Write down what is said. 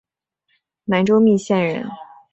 南州密县人。